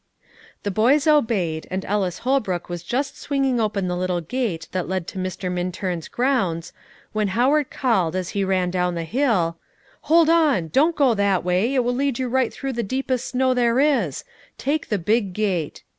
The boys obeyed, and Ellis Holbrook was just swinging open the little gate that led to Mr. Minturn's grounds, when Howard called, as he ran down the hill, "Hold on! Don't go that way, it will lead you right through the deepest snow there is; take the big gate."